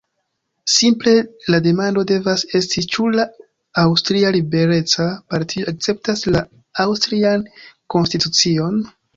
Simple la demando devas esti: ĉu la Aŭstria Libereca Partio akceptas la aŭstrian konstitucion?